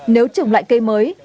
nếu trồng lại cây mới